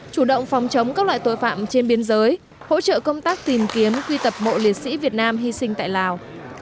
chủ động phòng chống các loại tội phạm trên biên giới hỗ trợ công tác tìm kiếm quy tập mộ liệt sĩ việt nam hy sinh tại lào